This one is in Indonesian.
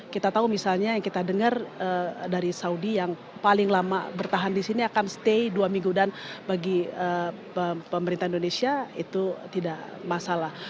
kita tahu misalnya yang kita dengar dari saudi yang paling lama bertahan di sini akan stay dua minggu dan bagi pemerintah indonesia itu tidak masalah